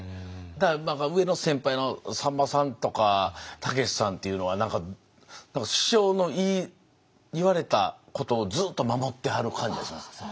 だから上の先輩のさんまさんとかたけしさんっていうのは何か師匠の言われたことをずっと守ってはる感じがしますよね。